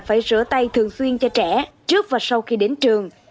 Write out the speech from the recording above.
phải rửa tay thường xuyên cho trẻ trước và sau khi đến trường